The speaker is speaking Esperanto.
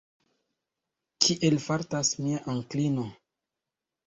Kiel fartas mia onklino?